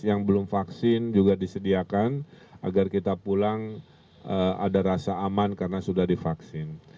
yang belum vaksin juga disediakan agar kita pulang ada rasa aman karena sudah divaksin